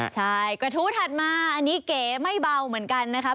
ใช่กระทู้ถัดมาอันนี้เก๋ไม่เบาเหมือนกันนะครับ